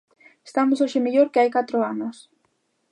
Estamos hoxe mellor que hai catro anos.